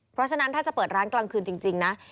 เพราะฉะนั้นถ้าจะเปิดร้านกลางคืนจริงนะ